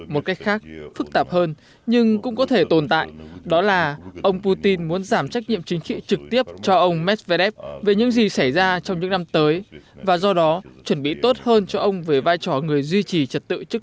một cách khác phức tạp hơn nhưng cũng có thể tồn tại đó là ông putin muốn giảm trách nhiệm chính trị trực tiếp cho ông medvedev về những gì xảy ra trong những năm tới và do đó chuẩn bị tốt hơn cho ông về vai trò người duy trì trật tự